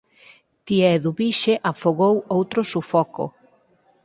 Tía Eduvixe afogou outro sufoco.